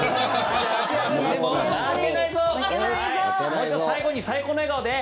もう一度、最後に最高の笑顔で。